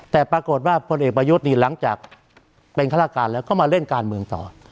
แต่ปรากฏว่าพลเอกประยุทธ์นี่หลังจากเป็นฆาตการแล้วก็มาเล่นการเมืองต่อ